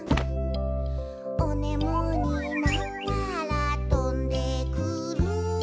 「おねむになったらとんでくる」